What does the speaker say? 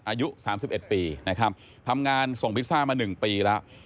อายุ๓๑ปีนะครับทำงานส่งพิซซ่ามา๑ปีแล้ว